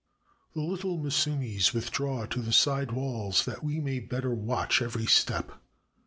The Httle musumes withdraw to the side walls that we may better watch every step.